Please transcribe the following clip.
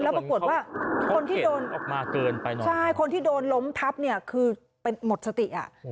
แล้วปรากฏว่าคนที่โดนล้มทัพคือเป็นหมดสติ